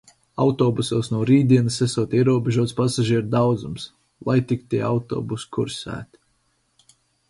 Autobusos no rītdienas esot ierobežots pasažieru daudzums. Lai tik tie autobusi kursētu...